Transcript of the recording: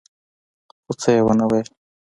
خو څه يې ونه ويل.